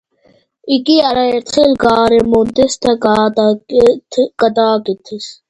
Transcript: იგი არაერთხელ გაარემონტეს და გადააკეთეს.